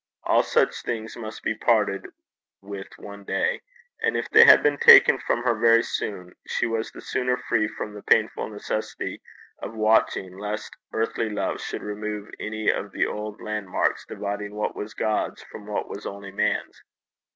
All such things must be parted with one day, and if they had been taken from her very soon, she was the sooner free from the painful necessity of watching lest earthly love should remove any of the old landmarks dividing what was God's from what was only man's.